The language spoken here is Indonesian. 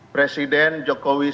presiden jokowi sendiri